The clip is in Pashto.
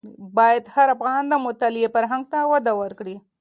باید هر افغان د مطالعې فرهنګ ته وده ورکړي.